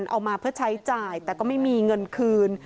เอามาเพื่อใช้จ่ายแต่ก็ไม่มีเงินคืน